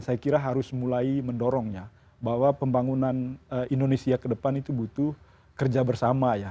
saya kira harus mulai mendorongnya bahwa pembangunan indonesia ke depan itu butuh kerja bersama ya